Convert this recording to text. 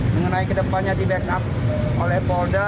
mengenai kedepannya di backup oleh polda